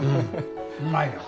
うまいよ。